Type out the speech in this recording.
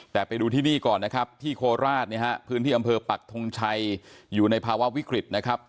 แต่ไปดูที่นี่ก่อนนะครับที่โคราชเนี่ยฮะพื้นที่อำเภอปักทงชัยอยู่ในภาวะวิกฤตนะครับ